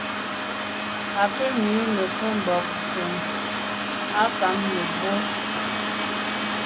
À ke mi meke’ mbàb ntùn à kàm mebwô il mache bien.